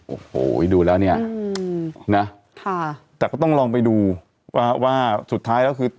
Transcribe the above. โอ้โหดูแล้วเนี่ยนะค่ะแต่ก็ต้องลองไปดูว่าว่าสุดท้ายแล้วคือ